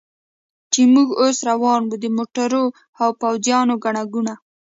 چې موږ اوس روان و، د موټرو او پوځیانو ګڼه ګوڼه.